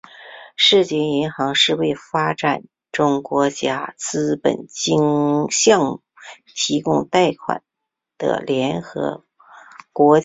世界银行是为发展中国家资本项目提供贷款的联合国系统国际金融机构。